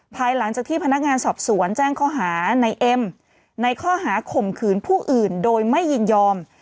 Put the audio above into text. ภายหลังจากที่พนักงานสอบสวนแจ้งข้อหาในเอ็มในข้อหาข่มขืนผู้อื่นโดยไม่ยินยอม